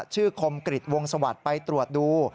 คมกริจวงสวัสดิ์ไปตรวจดู